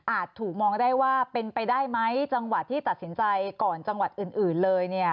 ถูกมองได้ว่าเป็นไปได้ไหมจังหวัดที่ตัดสินใจก่อนจังหวัดอื่นเลย